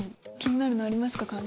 気になるのありますか？